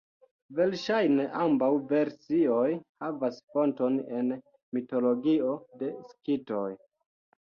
Verŝajne ambaŭ versioj havas fonton en mitologio de Skitoj.